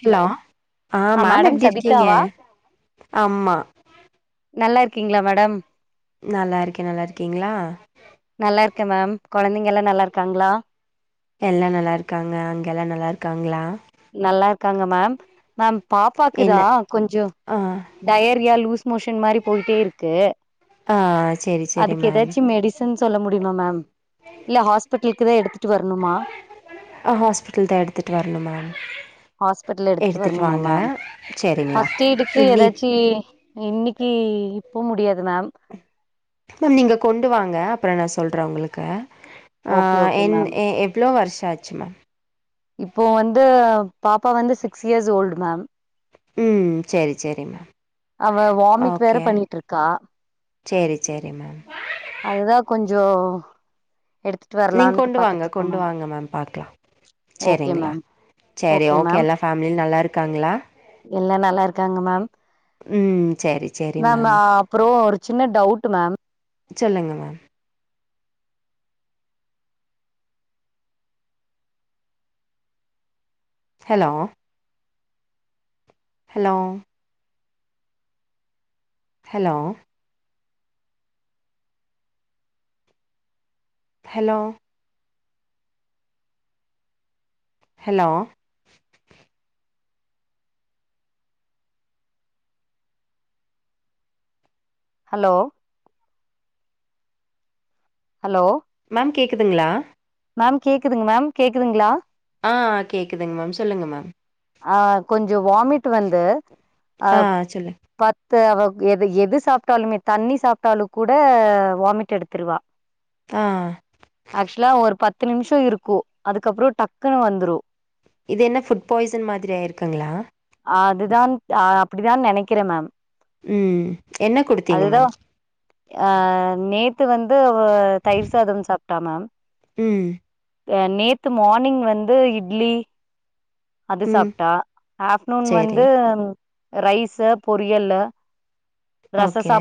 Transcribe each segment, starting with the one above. Hello ஆ ma'am madam எப்டி இருக்கீங்க சபிதாவா ஆமா நல்லா இருக்கீங்க்ளா மேடம் நல்லா இருக்கே நல்லா இருக்கீங்க்ளா நல்லாருக்க மேம் கொழந்தைங்கல்லா நல்லாருக்காங்களா எல்லா நல்லாருக்காங்க அங்க எல்லா நல்லாருக்காங்களா நல்லாருக்காங்க மேம் மேம் பாப்பாக்குதா என்ன கொஞ்சோ ஆ டயரியா லூஸ் மோஷன் மாரி போய்ட்டே இருக்கு ஆ சரி சரி மேம் ம் சொல்ல முடியுமா மேம் [inaudible] இல்ல ஹாஸ்பிட்டலுக்குதா எடுத் ஆ ஹாஸ்பிட்டல்தா எடுத்துட்டு வரணுமா ஹாஸ்பிட்டல் எடுத்துட்டு வரணுமா மேம் சேரிங்களா ஃபர்ஸ்ட் எய்ட்க்கு இனி எதாச்சி இன்னைக்கு இப்ப முடியாது மேம் இப்ப நீங்க கொண்டு வாங்க அப்ற நா சொல்ற உங்களுக்கு ஆ ஓகே ஓகே என் மேம் எ எவ்ளோ வருஷ ஆச்சுமா இப்போ வந்து பாப்பா வந்து சிக்ஸ் இயர்ஸ் ஓல்டு மேம் ம் செரி செரிம்மா அவ வாமிட் வேற பண்ணிட்ருக்கா செரி செரி மேம் அதுதா கொஞ்சோ எடுத்து நீங் கொண்டு வாங்க கொண்டு வாங்க மேம் பாக்லா ஓகே செரிங்களா மேம் செரி ஓகே எல்லா ஃபேமிலில நல்லாருக்காங்ளா எல்லா நல்லாருக்காங்க மேம் ம் செரி மேம் அப்பற ஒரு சின்ன டவுட் மேம் சொல்லுங்க ma'am hello hello hello hello hello hello hello ma'am கேக்குதுங்ளா மேம் கேக்குதுங்க மேம் கேக்குதுங்ளா ஆ கேக்குதுங்க மேம் சொல்லுங்க மேம் ஆ கொஞ்சோ வாமிட் வந்து அ ஆ சொல்லு ப அவ எது எது சாப்ட்டாலுமே தண்ணி சாப்ட்டாலு கூட வாமிட் எடுத்துருவா ஆ ஆக்சுவலா ஒரு பத்து நிமிஷ இருக்கு அதுக்கப்பற டக்குன்னு வந்ரு இது என்ன ஃபுட் பாய்சன் மாதிரி ஆய்ருக்குங்களா அதுதான் அப்டிதான் நெனைக்கிற மேம் ம் என்ன குடுத்தீங்க மேம் அ நேத்து வந்து அவ தயிர் சாதம் சாப்ட்டா மேம் ம் க நேத்து மார்னிங் வந்து இட்லி அது ம் சாப்ட்டா ஆஃப்ர்ட்நூன் சரி வந்து ரைஸ்ஸு பொரியல்லு ஓகே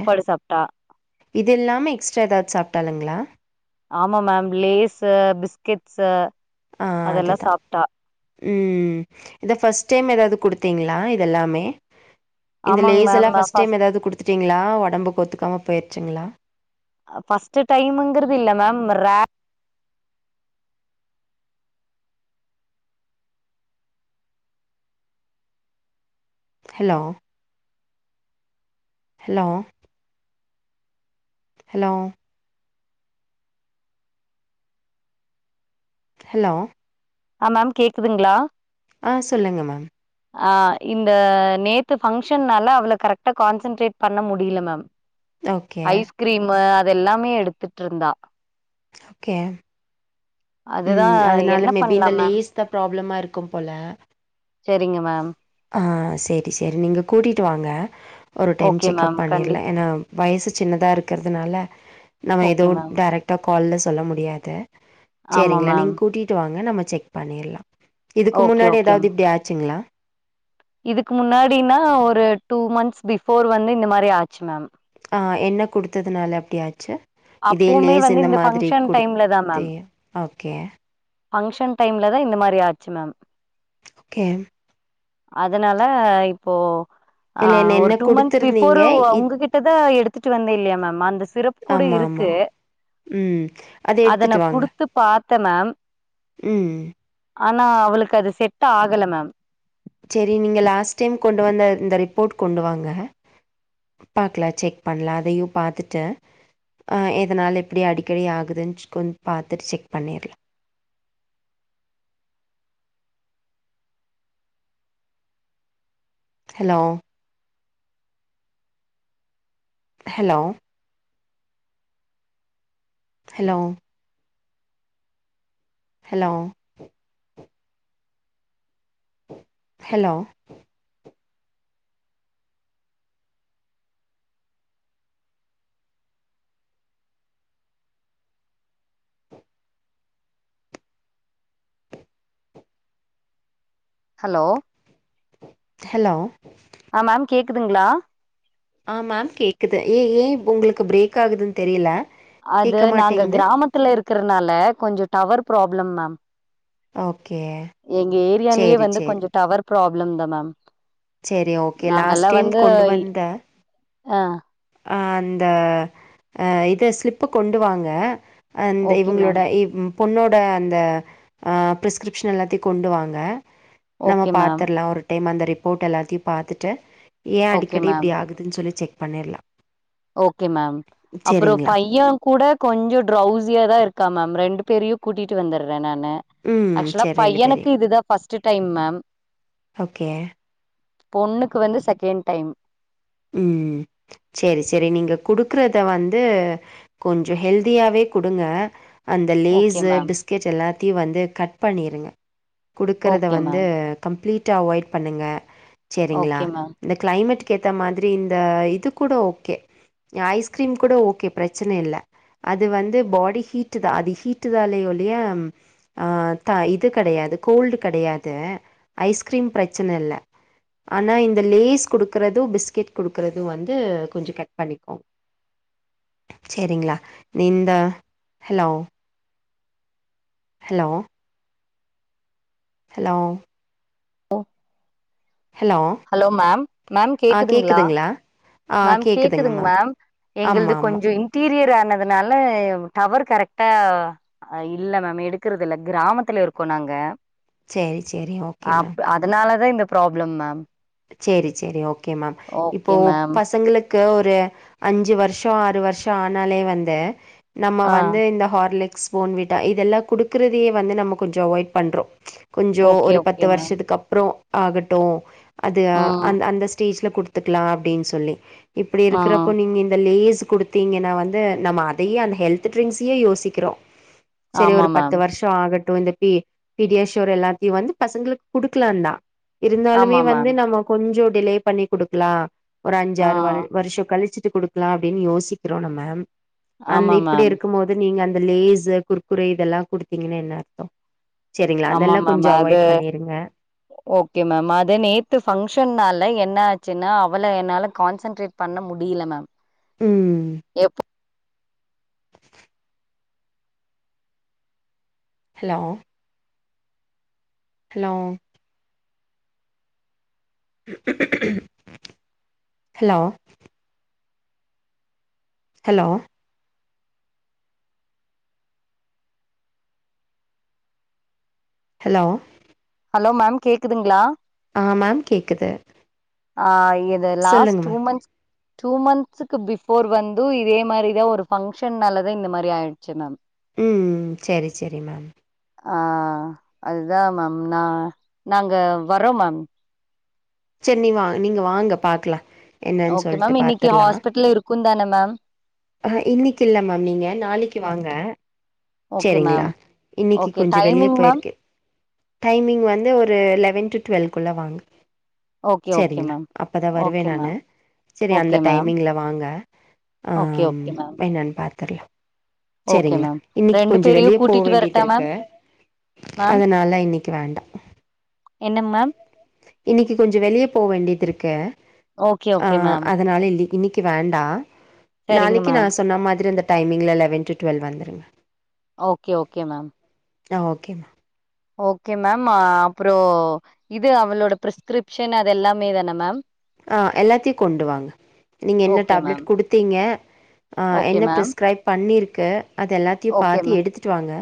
இது இல்லாம எக்ஸ்ட்ரா எதாவது சாப்ட்டாளுங்களா ஆமா மேம் லேஸ்ஸு பிஸ்கட்ஸ்ஸு ஆ அதெல்லா அதுதா சாப்ட்டா ம் இத ஃபஸ்ட் டைம் எதாவ்து குடுத்தீங்ளா இதெல்லாமே இந்த ஆமாங் லேஸ் மேம் எல்லா ஃபஸ்ட் ஃபஸ் டைம் எதாவ்து குடுத்துட்டீங்ளா ஒடம்பு ஒத்துக்காம போயிருச்சுங்ளா ஃபஸ்ட்டு டைம்ங்கிறது இல்ல மேம் ரா ஹலோ ஹலோ ஹலோ ஹலோ ஆ மேம் கேக்குதுங்ளா ஆ சொல்லுங்க மேம் ஆ இந்த நேத்து பங்க்ஷன்னால அவள கரெக்டா கான்சன்ட்ரேட் பண்ண முடிய்ல மேம் ஓகே க்ரீமு அதெல்லாமே எடுத்துட்ருந்தா ஓகே. அதுதா ம் அதனால என்னப் மேபி இந்த லேஸ் தா ப்ராப்ளமா இருக்கும் போல செரிங்க மேம் ஆ சேரி சேரி நீங்க கூட்டிட்டு வாங்க ஒரு டைம் ஓகே செக்கப் மேம் பண்ணிற்லா கண்டிப் ஏனா வயசு சின்னதா இருக்கிறதுனால நம்ம ஓகே எதுவு மேம் டேரக்ட் டா கால்ல சொல்ல முடியாது ஆமா சேரிங்ளா மேம் நீங்க கூட்டிட்டு வாங்க நம்ம செக் பண்ணிற்லா இதுக்கு ஓகே முன்னாடி ஓகே மேம் எதாவ்து இப்டி ஆச்சுங்ளா இதுக்கு முன்னாடினா ஒரு டூ மந்த்ஸ் பிஃபோர் வந்து இந்த மாரி ஆச்சு மேம் ஆ என்ன குடுத்ததுனால அப்டி ஆச்சு இதே அப்பவுமே லேஸ் வந்து இந்த மாதிரி ஃபங்ஷன் டைம்ல குடுத்தே ஓகே ஃபங்க்ஷன் டைம்ல தா இந்த மாரி ஆச்சு மேம் கே அதனால இப்போ ஆ இல்ல என்ன என்ன ஒரு டூ மந்த்ஸ் குடுத்துருந்தீங்க பிஃபோரு அ இத் உங்ககிட் ட்டதா எடுத்துட்டு வந்தே இல்லையா மேம் அந்த சிரப் கூட இருக் மா ம் அத எடுத்துட்டு வாங்க பாத்த மேம் ம் ஆனா அவளுக்கு அது செட் ஆகல மேம் சேரி நீங்க லாஸ்ட் டைம் கொண்டு வந்த இந்த ரிப்போர்ட் கொண்டு வாங்க பாக்லா செக் பண்லா அதையு பாத்துட்டு ஆ எதனால் இப்டி அடிக்கடி ஆகுதுன்னுச்சு கொஞ் பாத்துட்டு செக் பண்ணிற்லா hello hello hello hello hello hello hello ஆ மேம் கேக்குதுங்ளா ஆ மேம் கேக்குது ஏ ஏ உங்களுக்கு பிரேக் ஆகுதுன் தெரியல அது நாங்க கிராமத்துல இருக்கறனால கொஞ்ச டவர் ப்ராப்ளம் மேம் ஓகே எங்க ஏரியாலயே சேரி வந்து சேரி கொஞ்ச டவர் ப்ராப்ளம் தா மேம் சேரி ஓகே லாஸ்ட் நாங்கல்லாம் டைம் வந்து கொண்டு வந்த ஆ அ அந்த அ இத ஸ்லிப்பு கொண்டு வாங்க அந்த ஓகே இவுங்களோட மேம் இவ் பொண்ணோட அந்த ப்ரிஸ்கிரிப்ஷன் எல்லாத்தையு கொண்டு வாங்க நம்ம ஓகே மேம் பாத்தர்லா ஒரு டைம் அந்த ரிப்போர்ட் எல்லாத்தியு பாத்துட்டு ஏ ஓகே அடிக்கடி மேம் இப்டி ஆகுத் துன் சொல்லி செக் பண்ணிர்லா ஓகே மேம் அப்புறோ சேரிங்களா பைய கூட கொஞ்சோ ட்ரௌஸியாதா இருக்கா மேம் ரெண்டு பேரியு கூட்டிட்டு வந்தறே நானு ம் ஆக்சுவலா சேரி ரெண்டு பையனுக்கு பேரையு இதுதா ஃபஸ்ட்டு டைம் மேம் ஓகே பொண்ணுக்கு வந்து செகண்ட் டைம் ம் செரி செரி நீங்க குடுக்குறத வந்து கொஞ்சோ ஹெல்தியாவே குடுங்க அந்த ஓகே லேஸு மேம் பிஸ்கெட் எல்லாத்தியு வந்து கட் பண்ணிருங்க குடுக்கறத ஓகே வந்து மேம் கம்ப்ளீட்டா அவாய்ட் பண்ணுங்க செரிங்ளா ஓகே மேம் இந்த க்ளைமேட்டுக் இந்த மாதிரி இந்த இது கூட ஓகே ஐஸ்கிரீம் கூட ஓகே ப்ரச்சன இல்ல அது வந்து பாடி ஹீட்டுதா அது ஹீட்டு தாலே ஒழிய அ த இது கடையாது கோல்டு கடையாது ஐஸ்கிரீம் ப்ரச்சன இல்ல ஆனா இந்த லேஸ் குடுக்கறத் து பிஸ்கெட் குடுக்கறது வந்து கொஞ்சோ கட் பண்ணிக்கோங் செரிங்ளா இந்த hello hello hello hello ma'am ma'am கேக்குதுங்ளா ஆ மேம் கேக்குதுங்க மேம் கேக்குதுங்களா எங்குள்து ஆமா ஆமா கொஞ்சோ இன்டீரியர் ஆனதுனால டவர் கரெக்டா ஆ இல்ல மேம் எடுக்கறது இல்ல க்ராமத்துல இருக்கோ நாங்க செரி செரி ஓகே மேம் அதுனாலதா இந்த ப்ராப்ளம் மேம் சேரி சேரி ஓகே மேம் இப்போ ஓகே மேம் பசங்களுக் கு ஒரு அஞ்சு வருஷோ ஆறு வருஷோ ஆனாலே வந்து நம்ம ஆ வந்து இந்த ஹார்லிக்ஸ் போன்விட்டா இதெல்லா குடுக்குறதையே வந்து நம்ம கொஞ்சோ அவாய்ட் பண்றோ கொஞ்சோ ஓகே ஒரு ஓகே பத்து மேம் வருஷத்துக்கு அப்றோ ஆகட்டு அது ம் அந்த அந்த ஸ்டேஜ்ல குடுத் துக்லா அப்டின் சொல்லி இப்டி ஆ இருக்கறப்போ நீங்க இந்த லேஸ் குடுத் தீங்கன்னா வந்து நம்ம அதையே அந்த ஹெல்த்து ட்ரிங்க்ஸயே யோசிக்குறோ செரி ஆமா ஒரு பத்து மேம் வர்ஷோ ஆகட்டு இந்த பி பீடியாஷோர் எல்லாத்தையு வந்து பசங்ளுக் குடுக்லாந்தா இருந்தாலுமே ஆமா வந்து மேம் நம்ம கொஞ்சோ டிலே பண்ணி குடுக்கலா ஒரு ஆ அஞ்சாறு வர் வருஷோ கழிச்சிட்டு குடுக்கலா அப்டின் யோசிக்கிறோ நம்ம அந்த ஆமா இப்டி மேம் இருக்கும்மோது நீங்க அந்த லேஸு குறுக்குறே இதெல்லா குடுத்தீங்கனா என்ன அர்த்தோ செரிங்ளா ஆமா அதெல்லா மேம் கொஞ்சோ அது அவாய்ட் பண்ணிருங்க ஓகே மேம் அது நேத்து பங்க்ஷன்னால என்ன ஆச்சுன்னா அவள என்னால கான்சன்ட்ரேட் பண்ண முடில மேம் ம் எப்போ hello hello hello hello hello hello ma'am கேக்குதுங்ளா ஆ மேம் கேக்குது ஆ இது லாஸ்ட் சொல்லுங்க டூ மேம் மன்ஸ் டூ மந்த்ஸுக்கு பிஃபோர் வந்து இதே மாதிரிதா ஒரு ஃபங்க்ஷன்னாலதா இந்த மாரி ஆயிடுச்சுனாங்க ம் செரி செரி மேம் ஆ அதுதா மேம் நா நாங்க வரோ மேம் சேரி நீ வா நீங்க வாங்க பாக்கலா என்னன்னு ஓகே சொல்ட்டு மேம் இன்னைக்கு பாத்துர்லா ஹாஸ்பிடல் இருக்குந்தான மேம் அ இன்னிக்கு இல்ல மேம் நீங்க நாளைக்கு வாங்க ஓகே செரிங்ளா மேம் இன்னிக்கு ஓகே கொஞ்சோ வெளிய டைமிங் மேம் போயிருக்கே டைமிங் வந்து ஒரு லெவன் டு டு்வெல்குள்ள வாங்க ஓகே ஓகே செரிங்ளா மேம் அப்பதா ஓகே வருவன் நானு மேம் செரி அந்த ஓகே மேம் டைமிங்ல வாங்க ஆ ஓகே ஓகே மேம் என்னனு பாத்துரலா ஓகே செரிங்ளா மேம் இன்னிக்கு ரெண்டு கொஞ்சோ பேரையு வெளிய போ கூட்டிட்டு வேண்டிது வரட்டா மேம் இருக்கு மேம் அதனால இன்னிக்கு வேண்டா என்னங் மேம் இன்னிக்கு கொஞ்சோ வெளிய போ வேண்டிது இருக்கு ஓகே ஆ ஓகே மேம் அதனால லி இன்னிக்கு வேண்டா சரிங்க நாளைக்கு நா மேம் சொன்ன மாதிரி அந்த டைமிங்ல லெவன் டு டுவெல் வந்துருங்க ஓகே ஓகே மேம் ஆ ஓகேமா ஓகே மேம் அ அப்றோ இது அவளோட ப்ரிஸ்கிரிப்ஷன் அது எல்லாமேதான மேம் ஆ எல்லாத்தயு கொண்டு வாங்க நீங்க என்ன ஓகே மேம் டேப்லெட் குடுத்தீங்க ஆ ஓகே என்ன மேம் பிரிஸ்கரைப் பண்ணிருக்கு அது எல்லாத்தையு ஓகே பாத்து மேம் எடுத்துட்டு வாங்க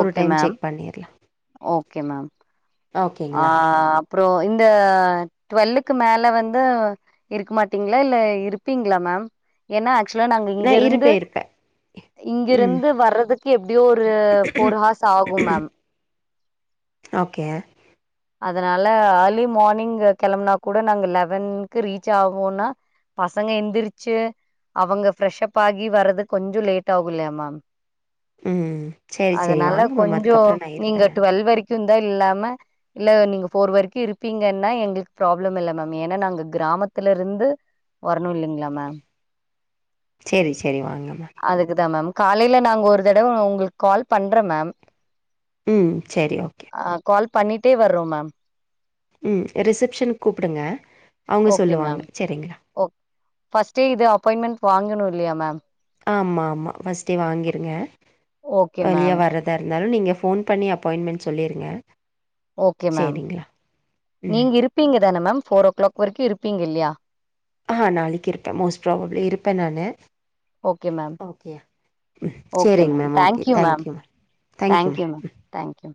ஒரு ஓகே டைம் மேம் செக் பண்ணிர்லா ஓகே மேம் ஆ அப்றோ இந்த டுவெல்லுக்கு மேல வந்து இருக்க மாட்டீங்ளா இல்ல இருப்பீங்ளா மேம் ஏனா ஆக்சுலா நாங்க நான் இங்கிருந்து இருப்பேன் இருப்பேன் ம் இங்கிருந்து வர்றதுக்கு எப்டியோ ஒரு ஃபோர் ஹார்ஸ் ஆகும் மேம் ஓகே அதனால அர்லி மார்னிங் கெளம்பனா கூட நாங்க லெவன்க்கு ரீச் ஆவோனா பசங்க எந்திரிச்சு அவுங்க ஃப்ரெஷ் அப் ஆகி வர்றது கொஞ்சோ லேட் ஆகு இல்லயா மேம் ம் சரி சரி அதனால வாங்க மேம் கொஞ்சோ அதுக்கப்புறம் நான் நீங்க இருப்பேன் நான் டுவெல்வ் வரைக்குந்தா இல்லாம இல்ல நீங்க ஃபோர் வரைக்கு இருப்பீங்கன்னா எங்களுக்கு ப்ராப்ளம் இல்ல மேம் ஏனா நாங்க கிராமத்துலயிருந்து வரணு இல்லைங்ளா மேம் சேரி சேரி வாங்கமா அதுக்குதா மேம் காலைல நாங்க ஒரு தடவ உங்களுக்கு கால் பண்றம் மேம் ம் செரி ஓகே ஆ கால் பண்ணிட்டே வர்றோ மேம் ம் ரிசப்ஷனுக்கு கூப்டுங்க அவுங்க ஓகே சொல்லுவாங்க மேம் சரிங்ளா ஓ ஃபர்ஸ்ட்டே இது அப்பாயின்மெண்ட் வாங்கணு இல்லயா மேம் ஆமாமா ஃபர்ஸ்ட்டே வாங்கிருங்க ஓகே ஏர்லியா மேம், வர தா இருந்தாலு நீங்க ஃபோன் பண்ணி அப்பாயின்மெண்ட் சொல்லிருங்க ஓகே மேம் ம் நீங்க இருப்பீங்க தான மேம் ஃபோர் ஓ கிளாக் வரைக்கும் இருப்பீங்க இல்லையா ஆஹ் நாளைக்கு இருப்பே மோஸ்ட் ப்ராபப்ளி இருப்பே நானு ஓகே மேம், ஓகே ம் ஓகே சரிங்க ma'am okay thank you ma'am. Thank you thank you thank you ma'am thank you